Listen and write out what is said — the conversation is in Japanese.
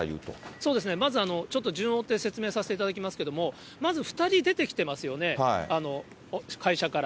そうですね、まずちょっと順を追って説明させていただきますけれども、まず、２人出てきてますよね、会社から。